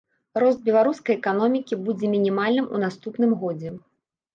Рост беларускай эканомікі будзе мінімальным у наступным годзе.